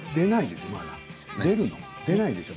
出ないんでしょう。